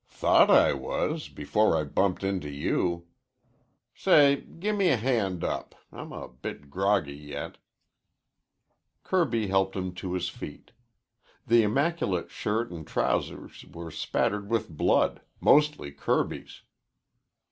"Thought I was, before I bumped into you. Say, gimme a hand up. I'm a bit groggy yet." Kirby helped him to his feet. The immaculate shirt and trousers were spattered with blood, mostly Kirby's.